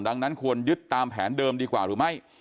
ดังนั้นควรยึดตามแผนเดิมดีกว่าหรือไม่